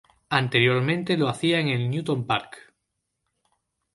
Anteriormente lo hacía en el Newtown Park.